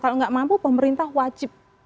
kalau nggak mampu pemerintah wajib